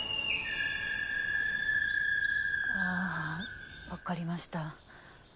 ああ分かりました。